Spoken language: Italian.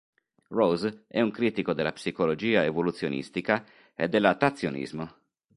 Rose è un critico della psicologia evoluzionistica e dell"'adattazionismo".